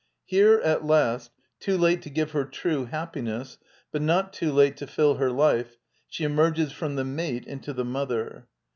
Here, at last, too late to give her true happiness, but not too late to fill her life, she emerges from the mate into ithe mother.